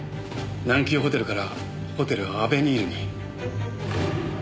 南急ホテルからホテルアベニールに。